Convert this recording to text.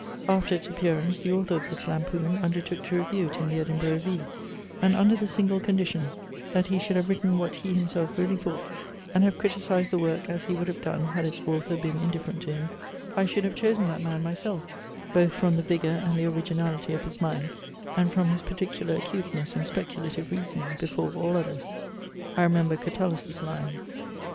After its appearance, the author of this lampoon undertook to review it in the Edinburgh Review; and under the single condition, that he should have written what he himself really thought, and have criticised the work as he would have done had its author been indifferent to him, I should have chosen that man myself, both from the vigour and the originality of his mind, and from his particular acuteness in speculative reasoning, before all others. I remembered Catullus's lines.